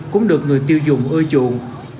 cũng được người tiêu dùng ưa chuộng